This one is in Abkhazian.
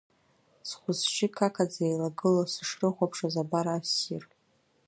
Схәы-сжьы қақаӡа еилагыло сышрыхәаԥшуаз абар ассир…